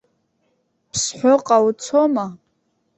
Ԥсҳәыҟа уцома?